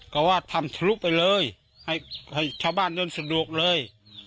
ก็ว่าทำทะลุไปเลยให้ชาวบ้านเดินสะดวกเลย